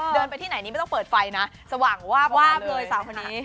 เดินไปที่ไหนนี้ไม่ต้องเปิดไฟนะสว่างวาบวาบเลยสาวคนนี้